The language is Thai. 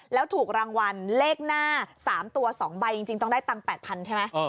แล้วถูกรางวัลเลขหน้า๓ตัว๒ใบจริงต้องได้ตังค์๘๐๐ใช่ไหม